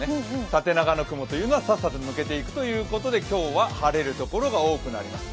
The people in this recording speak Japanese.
縦長の雲というのはさっさと抜けていくということで今日は晴れる所が多くなります。